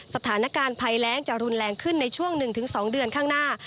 สถานการณ์ภัยแรงจะรุนแรงขึ้นในช่วง๑๒เดือนข้างหน้า